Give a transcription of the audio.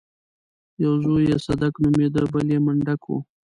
يو زوی يې صدک نومېده بل يې منډک و.